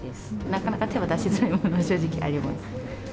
なかなか手が出しづらいのは正直あります。